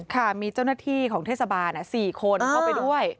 ค่ะมีเจ้าหน้าที่ของเทศบาล๔คนเข้าไปด้วย